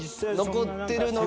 残ってるのが。